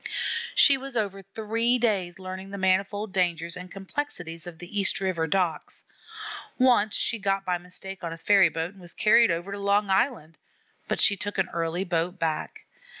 She was over three days learning the manifold dangers and complexities of the East River docks. Once she got by mistake on a ferryboat and was carried over to Long Island; but she took an early boat back.